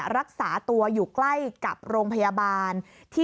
รักษาตัวอยู่ใกล้กับโรงพยาบาล